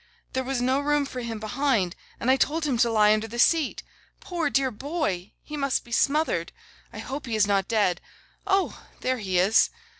There was no room for him behind, and I told him to lie under the seat. Poor dear boy! He must be smothered. I hope he is not dead. Oh! there he is.